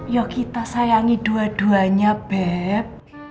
ya kita sayangi dua duanya beb